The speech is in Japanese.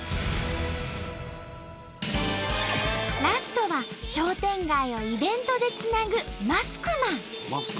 ラストは商店街をイベントでつなぐマスクマン。